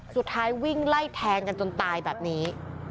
สุดท้ายวิ่งไล่แทงกันจนตายแบบนี้